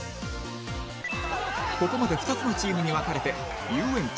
ここまで２つのチームに分かれて遊園地